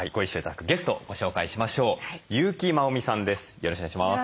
よろしくお願いします。